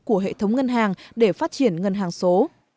của hệ thống ngân hàng để phát triển ngân hàng số